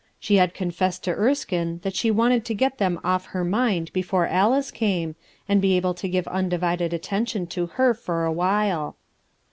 She had confessed to Ersk' that gho wanted to get them off of her triad before Alice came, and be able to give un divided attention to her for a while.